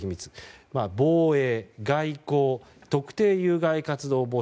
防衛、外交、特定有害活動防止